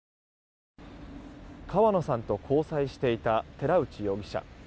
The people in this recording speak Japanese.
川野さんと交際していた寺内容疑者。